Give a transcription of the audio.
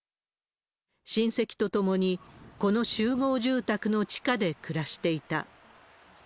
親戚と共に、この集合住宅の地下で暮らしていた。